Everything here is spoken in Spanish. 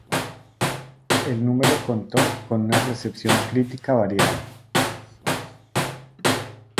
El número contó con una recepción crítica variada.